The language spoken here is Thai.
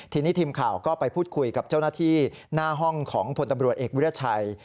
ทีนี้ทีมข่าวก็ไปพูดคุยกับเจ้าหน้าที่หน้าห้องของพลตำรวจเอกวิทยาชัย